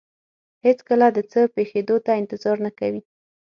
هېڅکله د څه پېښېدو ته انتظار نه کوي.